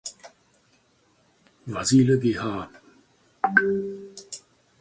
Vasile Gh.